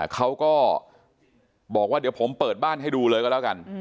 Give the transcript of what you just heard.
เขาก็บอกว่าเดี๋ยวผมเปิดบ้านให้ดูเลยก็แล้วกัน